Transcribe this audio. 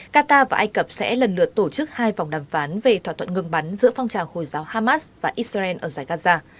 qatar và ai cập sẽ lần lượt tổ chức hai vòng đàm phán về thỏa thuận ngừng bắn giữa phong trào hồi giáo hamas và israel ở giải gaza